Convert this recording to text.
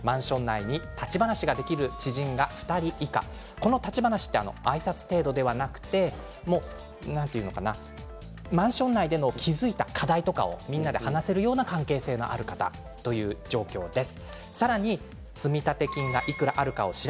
この立ち話はあいさつ程度ではなくてマンション内での気付いた課題とかをみんなで話せるような関係性があるという状況です。